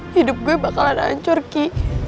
hidup gue bakalan hancur ki